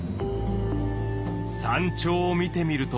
山頂を見てみると。